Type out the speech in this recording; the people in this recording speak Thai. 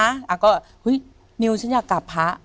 อ้าก็นิวฉันอยากกลับพระ